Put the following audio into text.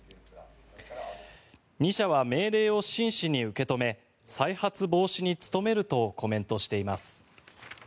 ２社は命令を真摯に受け止め再発防止に努めるとコメントしています。